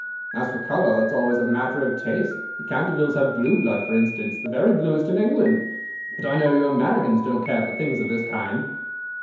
As for colour, that is always a matter of taste: the Cantervilles have blue blood, for instance, the very bluest in England; but I know you Americans don't care for things of this kind."